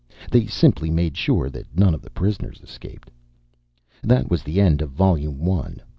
They simply made sure that none of the prisoners escaped. That was the end of volume one.